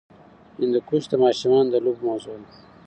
هندوکش د ماشومانو د لوبو موضوع ده.